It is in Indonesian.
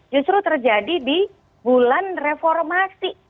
justru terjadi di bulan reformasi